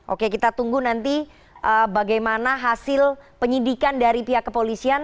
oke kita tunggu nanti bagaimana hasil penyidikan dari pihak kepolisian